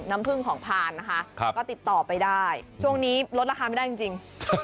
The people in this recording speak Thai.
น้ำผึ้งของพานนะคะก็ติดต่อไปได้ช่วงนี้ลดราคาไม่ได้จริง